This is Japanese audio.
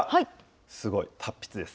すごい、達筆です。